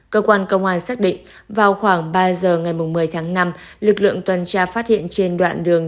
cơ quan công an xác định vào khoảng ba giờ ngày một mươi tháng năm lực lượng tuần tra phát hiện trên đoạn đường